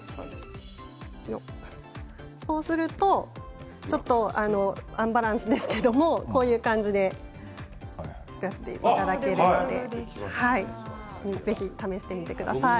そうするとちょっとアンバランスですけれどこういう感じで使っていただけるのでぜひ試してみてください。